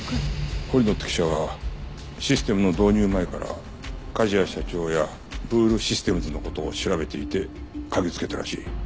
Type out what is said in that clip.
堀野って記者はシステムの導入前から梶谷社長やブールシステムズの事を調べていて嗅ぎつけたらしい。